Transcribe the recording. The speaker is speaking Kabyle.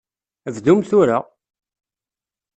Bdum tura!